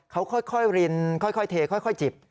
เขาค่อยรินค่อยเทค่อยจิบ